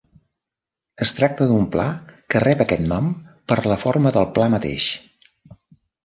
Es tracta d'un pla que rep aquest nom per la forma del pla mateix.